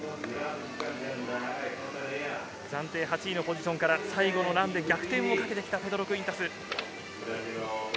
暫定８位のポジションが最後のランで逆転をかけてきたペドロ・クゥインタス。